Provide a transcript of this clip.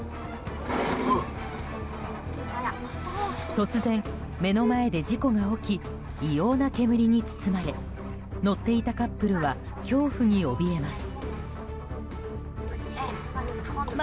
突然、目の前で事故が起き異様な煙に包まれ乗っていたカップルは恐怖におびえます。